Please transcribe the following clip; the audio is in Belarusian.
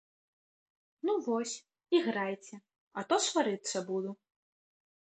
Ну дык вось, іграйце, а то сварыцца буду.